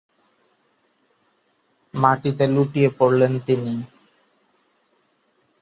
মাটিতে লুটিয়ে পড়লেন তিনি।